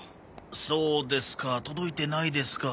そうですか届いてないですか。